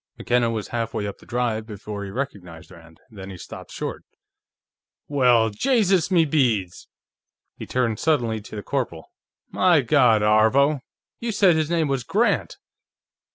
McKenna was halfway up the drive before he recognized Rand. Then he stopped short. "Well, Jaysus me beads!" He turned suddenly to the corporal. "My God, Aarvo; you said his name was Grant!"